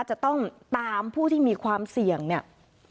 จะต้องตามผู้ที่มีความเสี่ยงเนี่ย